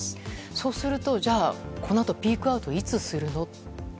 そうすると、このあとピークアウトいつするの？